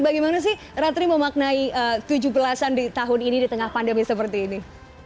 bagaimana sih ratri memaknai tujuh belas an di tahun ini di tengah pandemi seperti ini